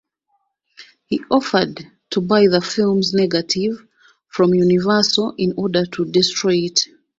He offered to buy the film's negative from Universal in order to destroy it.